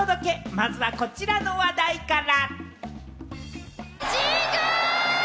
まずはこちらの話題から。